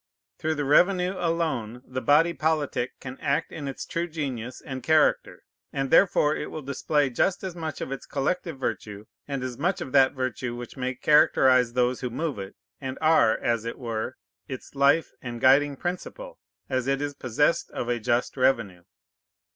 Through the revenue alone the body politic can act in its true genius and character; and therefore it will display just as much of its collective virtue, and as much of that virtue which may characterize those who move it, and are, as it were, its life and guiding principle, as it is possessed of a just revenue.